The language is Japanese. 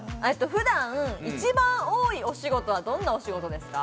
普段、一番多いお仕事はどんなお仕事ですか？